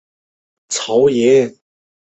由脑膜炎奈瑟菌。